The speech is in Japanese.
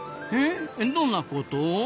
えっどんなこと？